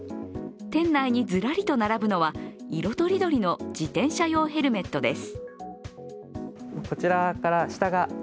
店内にずらりと並ぶのは色とりどりの自転車用ヘルメットです。